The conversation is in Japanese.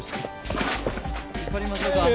引っ張りましょうか？